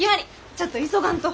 ちょっと急がんと。